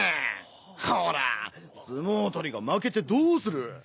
ほら相撲取りが負けてどうする。